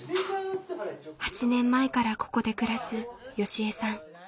８年前からここで暮らすよしえさん。